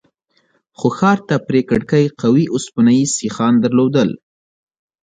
خو ښار ته پرې کړکۍ قوي اوسپنيز سيخان درلودل.